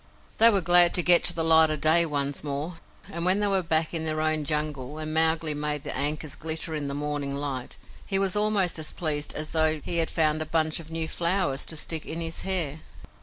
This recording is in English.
They were glad to get to the light of day once more; and when they were back in their own Jungle and Mowgli made the ankus glitter in the morning light, he was almost as pleased as though he had found a bunch of new flowers to stick in his hair.